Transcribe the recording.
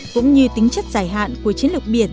cũng như tính chất dài hạn của chiến lược biển